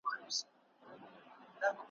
بیا به نه کوم له سپي شکایتونه `